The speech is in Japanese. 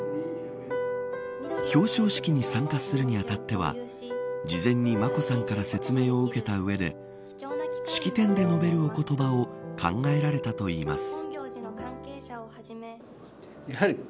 表彰式に参加するに当たっては事前に眞子さんから説明を受けた上で式典で述べるお言葉を考えられたといいます。